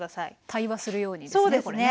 対話するようにですねこれね。